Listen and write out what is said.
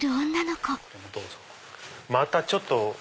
またちょっと。